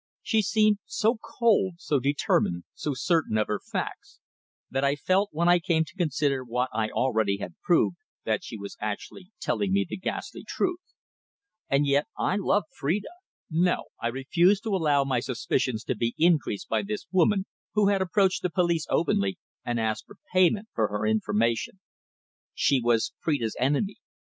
She seemed so cold, so determined, so certain of her facts that I felt, when I came to consider what I already had proved, that she was actually telling me the ghastly truth. And yet I loved Phrida. No. I refused to allow my suspicions to be increased by this woman who had approached the police openly and asked for payment for her information. She was Phrida's enemy.